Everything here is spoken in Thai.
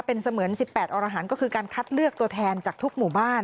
เป็นเสมือน๑๘อรหารก็คือการคัดเลือกตัวแทนจากทุกหมู่บ้าน